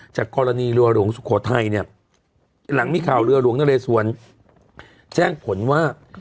จากกรณีเรือหลวงสุโขทัยเนี่ยหลังมีข่าวเรือหลวงนเรสวนแจ้งผลว่า